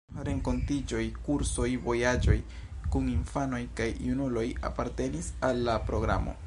Renkontiĝoj, kursoj, vojaĝoj kun infanoj kaj junuloj apartenis al la programo.